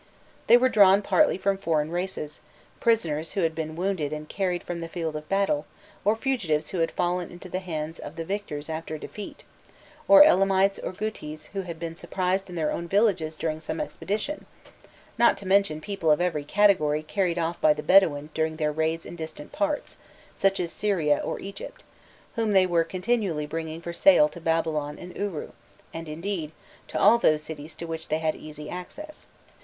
They were drawn partly from foreign races; prisoners who had been wounded and carried from the field of battle, or fugitives who had fallen into the hands of the victors after a defeat, or Elamites or Gutis who had been surprised in their own villages during some expedition; not to mention people of every category carried off by the Bedouin during their raids in distant parts, such as Syria or Egypt, whom they were continually bringing for sale to Babylon and Uru, and, indeed, to all those cities to which they had easy access.